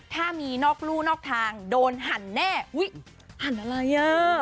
ถ้ามีนอกรู้นอกทางโดนหันแน่อุ้ยหันอะไรอ่ะหันไปฟังนี้